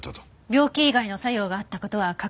病気以外の作用があった事は確実です。